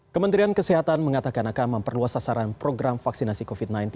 kementerian kesehatan mengatakan akan memperluas sasaran program vaksinasi covid sembilan belas